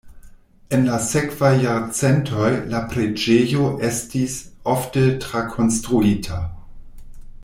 En la sekvaj jarcentoj la preĝejo estis ofte trakonstruita.